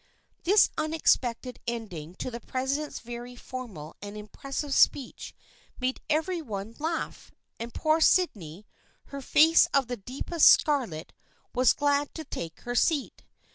This unexpected ending to the president's very formal and impressive speech made every one laugh, and poor Sydney, her face of the deepest scarlet, was glad to take her seat.